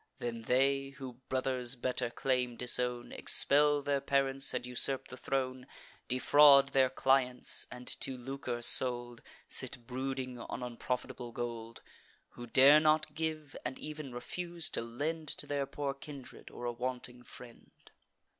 Then they, who brothers' better claim disown, Expel their parents, and usurp the throne; Defraud their clients, and, to lucre sold, Sit brooding on unprofitable gold; Who dare not give, and ev'n refuse to lend To their poor kindred, or a wanting friend.